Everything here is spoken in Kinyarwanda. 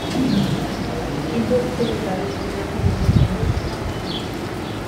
intukura nyikuye mu za matama,